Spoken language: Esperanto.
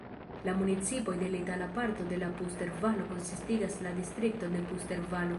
La municipoj de la itala parto de la Puster-Valo konsistigas la distrikton de Puster-Valo.